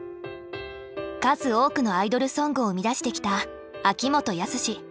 数多くのアイドルソングを生み出してきた秋元康。